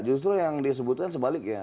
justru yang disebutkan sebalik ya